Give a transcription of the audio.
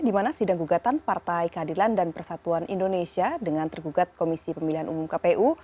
di mana sidang gugatan partai keadilan dan persatuan indonesia dengan tergugat komisi pemilihan umum kpu